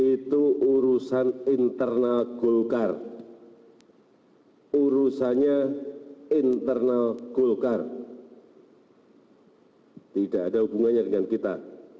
itu urusan internal golkar urusannya internal golkar tidak ada hubungannya dengan kita